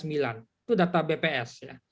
itu data bps ya